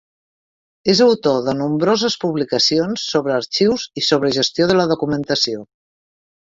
És autor de nombroses publicacions sobre arxius i sobre gestió de la documentació.